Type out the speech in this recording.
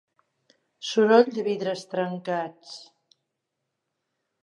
Soroll de vidres trencats.